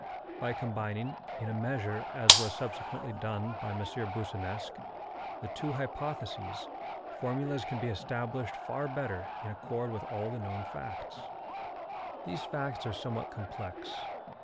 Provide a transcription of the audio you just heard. By combining, in a measure, as was subsequently done by M. Boussinesq, the two hypotheses, formulas can be established far better in accord with all the known facts. These facts are somewhat complex.